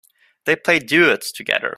They play duets together.